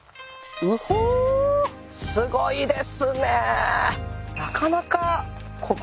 うほすごいですね。